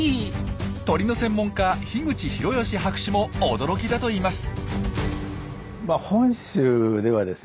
鳥の専門家樋口広芳博士も驚きだといいます。